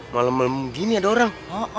malem malem gini ada orang